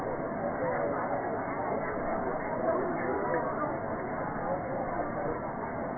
ก็จะมีอันดับอันดับอันดับอันดับอันดับ